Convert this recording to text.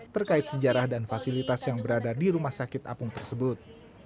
terkait sejarah dan fasilitas yang berada di rumah sakit apung tersebut